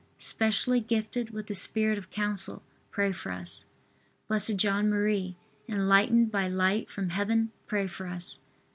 specially gifted with the spirit of counsel, pray for us. B. J. M., enlightened by light from Heaven, pray for us.